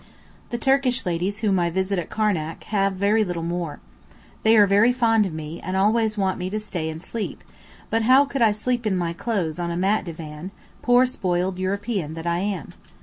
The Turkish ladies whom I visit at Karnac have very little more. They are very fond of me, and always want me to stay and sleep, but how could I sleep in my clothes on a mat divan, poor spoiled European that I am?